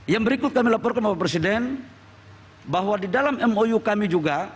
yang berikut kami laporkan bapak presiden bahwa di dalam mou kami juga